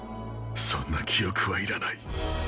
そんな記憶はいらない。